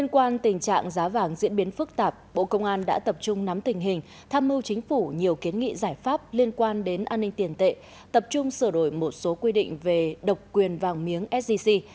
trong tình trạng giá vàng diễn biến phức tạp bộ công an đã tập trung nắm tình hình tham mưu chính phủ nhiều kiến nghị giải pháp liên quan đến an ninh tiền tệ tập trung sửa đổi một số quy định về độc quyền vàng miếng sgc